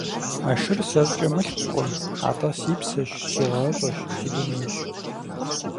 А шыр сэркӀэ мылъкукъым, атӀэ си псэщ, си гъащӀэщ, си дунейщ.